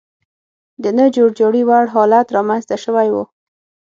د نه جوړجاړي وړ حالت رامنځته شوی و.